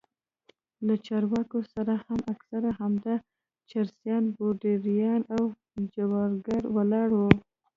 له چارواکو سره هم اکثره همدا چرسيان پوډريان او جوارگر ولاړ وو.